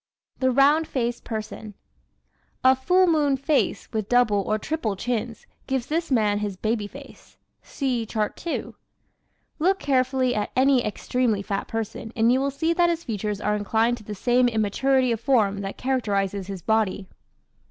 The Round Faced Person ¶ A "full moon" face with double or triple chins gives this man his "baby face." (See Chart 2) Look carefully at any extremely fat person and you will see that his features are inclined to the same immaturity of form that characterizes his body.